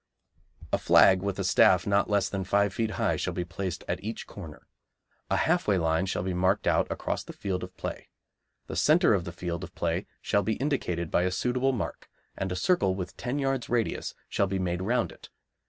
A flag with a staff not less than five feet high shall be placed at each corner. A half way line shall be marked out across the field of play. The centre of the field of play shall be indicated by a suitable mark, and a circle with ten yards' radius shall be made round it.